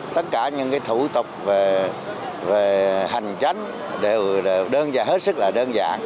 tất cả những thủ tục về hành tránh đều đơn giản